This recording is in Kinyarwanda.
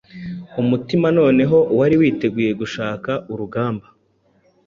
Umutima noneho wari witeguye gushaka urugamba